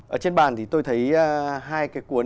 ở trên bàn thì tôi thấy hai cái cuốn